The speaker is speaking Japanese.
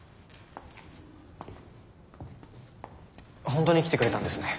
本当に来てくれたんですね。